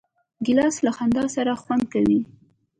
ګیلاس له خندا سره خوند کوي.